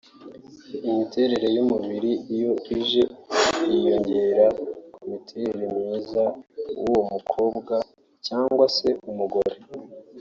Imiterere y’umubiri iyo ije yiyongerera ku mutima mwiza w’uwo mukobwa cyangwa se umugore